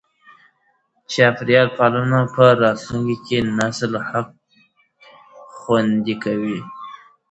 چاپېریال پالنه د راتلونکي نسل حق خوندي کوي.